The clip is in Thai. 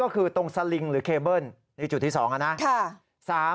ก็คือตรงสลิงหรือเคเบิ้ลนี่จุดที่๒นะครับ